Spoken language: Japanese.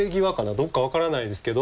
どっか分からないですけど